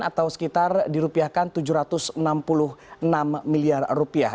atau sekitar dirupiahkan tujuh ratus enam puluh enam miliar rupiah